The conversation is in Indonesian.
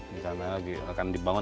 bisa lagi akan dibangun